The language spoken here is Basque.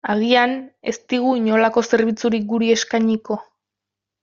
Agian, ez digu inolako zerbitzurik guri eskainiko.